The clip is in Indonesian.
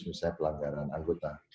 misalnya pelanggaran anggota